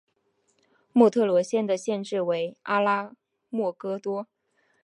奥特罗县的县治为阿拉莫戈多。